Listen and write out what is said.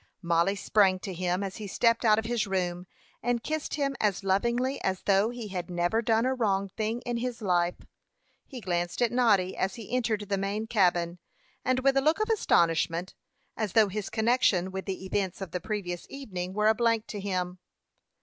Mollie sprang to him, as he stepped out of his room, and kissed him as lovingly as though he had never done a wrong thing in his life. He glanced at Noddy, as he entered the main cabin, and with a look of astonishment, as though his connection with the events of the previous evening were a blank to him.